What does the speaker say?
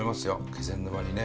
気仙沼にね。